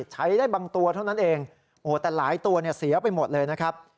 ใช้ได้บางตัวเท่านั้นเองโอ้แต่หลายตัวเนี่ยเสียไปหมดเลยนะครับ